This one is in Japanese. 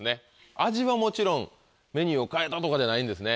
味はもちろんメニューを変えたとかじゃないんですね。